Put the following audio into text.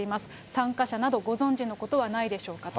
参加者など、ご存じのことはないでしょうかと。